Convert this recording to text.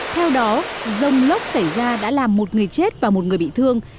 theo đó rông lốc xảy ra đã làm một người chết và một người bị thương